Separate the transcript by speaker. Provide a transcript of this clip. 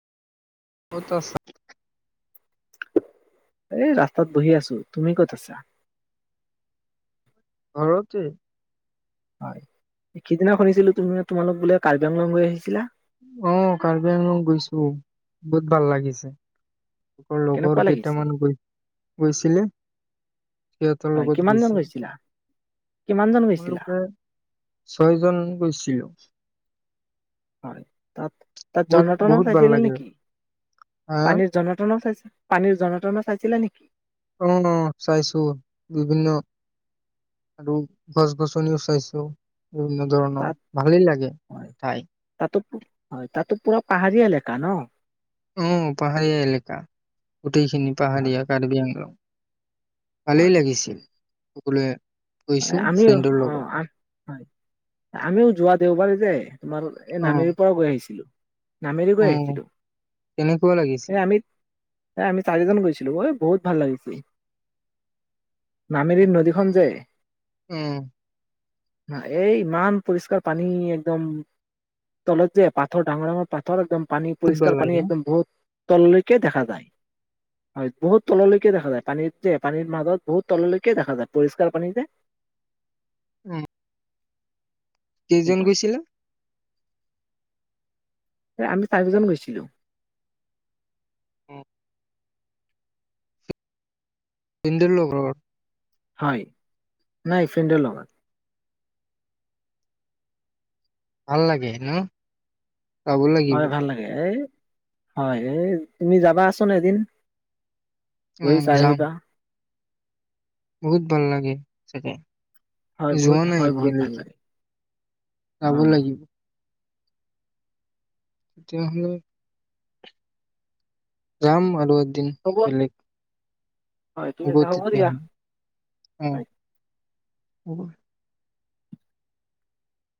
Speaker 1: ক'ত আছা?
Speaker 2: এ' ৰাস্তাত বহি আছোঁ, তুমি ক'ত আছা?
Speaker 1: ঘৰতে
Speaker 2: হয়, সিদিনা শুনিছিলোঁ তুমি তোমালোক বোলে কাৰ্বিংলং গৈ আহিছিলা?
Speaker 1: অঁ কাৰ্বি আংলং গৈছোঁ বহুত ভাল লাগিছে। মোৰ
Speaker 2: কেনেকুৱা
Speaker 1: লগৰ
Speaker 2: লাগিছে
Speaker 1: কেইটামানে গৈছিলে, সিহঁতৰ
Speaker 2: হয়
Speaker 1: লগত
Speaker 2: কিমান জন
Speaker 1: গৈছিলোঁ?
Speaker 2: গৈছিলা কিমান জন গৈছিলা
Speaker 1: আমি ছয়জন গৈছিলোঁ।
Speaker 2: হয়, তাত তাত
Speaker 1: বহুত
Speaker 2: জন তন
Speaker 1: বহুত ভাল
Speaker 2: চাইছিলে
Speaker 1: লাগে।
Speaker 2: নেকি?
Speaker 1: হা?
Speaker 2: আমি জন-তন চাইছে। পানী জধে মধে খাইছিলা নেকি?
Speaker 1: অ' চাইছোঁ বিভিন্ন গছ গছনিও চাইছোঁ। বিভিন্ন ধৰণৰ
Speaker 2: তাত
Speaker 1: ভালেই লাগে
Speaker 2: হয়
Speaker 1: ঠাই।
Speaker 2: তাতো পু- হয় তাতো পুৰা পাহাৰীয়া এলেকা ন?
Speaker 1: অঁ পাহাৰীয়া এলেকা, গোটেইখিনি
Speaker 2: হয়
Speaker 1: পাহাৰীয়া কাৰ্বি আংলং। ভালেই
Speaker 2: হয়
Speaker 1: লাগিছিল। সকলোৱে গৈছো
Speaker 2: হয় আমিও
Speaker 1: ফ্ৰেণ্ডৰ লগত।
Speaker 2: অঁ হয় আমিও যোৱা দেওবাৰে যে তোমাৰ এই
Speaker 1: অ'
Speaker 2: নামেৰিৰ পৰা গৈ আহিছিলোঁ। নামেৰি গৈ
Speaker 1: অ'
Speaker 2: আহিছিলোঁ
Speaker 1: কেনেকুৱা লাগিছিল?
Speaker 2: এ আমি। এ আমি চাৰিজন গৈছিলোঁ ঐ বহুত ভাল লাগিছিল। নামিৰীৰ নদীখন যে
Speaker 1: অ'।
Speaker 2: এই ইমান পৰিষ্কাৰ পানী একদম তলত যে পাথৰ ডাঙৰ ডাঙৰ পাথৰ একদম। পানী
Speaker 1: বহুত ভাল
Speaker 2: পৰিষ্কাৰ
Speaker 1: লাগে
Speaker 2: পানী
Speaker 1: ন
Speaker 2: একদম বহুত। তললৈকে দেখা যায়, হয়, বহুত তললৈকে দেখা যায় পানী যে পানীৰ মাজত বহুত তললৈকে দেখা যায় পৰিষ্কাৰ পানী যে।
Speaker 1: উম কেইজন
Speaker 2: সেইকাৰণে।
Speaker 1: গৈছিলে?
Speaker 2: আমি চাৰিজন গৈছিলোঁ।
Speaker 1: অঁ ভিনদেউৰ লগত
Speaker 2: হয় নাই ফ্ৰেন্দৰ লগত।
Speaker 1: ভাল লাগে ন? যাব লাগিব
Speaker 2: হয় ভাল লাগে এই। হয়, এই তুমি যাবাচোন এদিন গৈ
Speaker 1: উম
Speaker 2: চাই
Speaker 1: যাম
Speaker 2: আহিবা
Speaker 1: বহুত ভাল লাগে, চাগে
Speaker 2: হয় বহুত
Speaker 1: যোৱা নাই
Speaker 2: হয় বহুত ভাল
Speaker 1: এতিয়ালৈকে,
Speaker 2: লাগে অ
Speaker 1: যাব লাগিব তেতিয়াহলে যাম আৰু দিন,
Speaker 2: হ'ব
Speaker 1: বেলেগ
Speaker 2: হয় ঠিক
Speaker 1: হ'ব
Speaker 2: আছে
Speaker 1: তেতিয়া
Speaker 2: দিয়া
Speaker 1: হ'লে,
Speaker 2: হয়।
Speaker 1: অ'। [inaudible]